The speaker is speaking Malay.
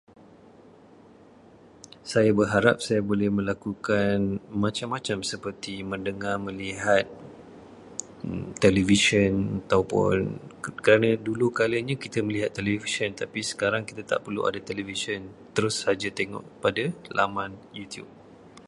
Saya berharap saya boleh melakukan macam-macam seperti mendengar, melihat televisyen ataupun- kerana dulu kalanya kita melihat televisyen, tapi sekarang kita tidak perlu ada televisyen, terus saja tengok pada laman Youtube.